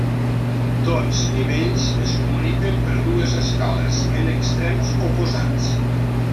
Tots nivells es comuniquen per dues escales, en extrems oposats.